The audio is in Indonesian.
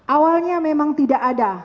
awalnya memang tidak ada